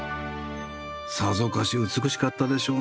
さぞかし美しかったでしょうね。